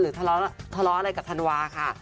ทะเลาะอะไรกับธันวาค่ะ